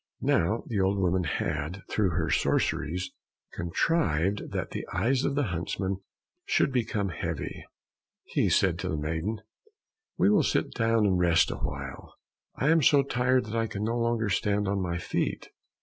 Now, the old woman had, through her sorceries, contrived that the eyes of the huntsman should become heavy. He said to the maiden, "We will sit down and rest awhile, I am so tired that I can no longer stand on my feet."